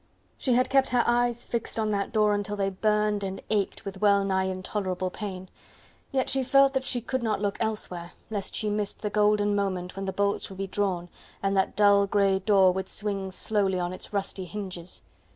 She had kept her eyes fixed on that door until they burned and ached with well nigh intolerable pain; yet she felt that she could not look elsewhere, lest she missed the golden moment when the bolts would be drawn, and that dull, grey door would swing slowly on its rusty hinges.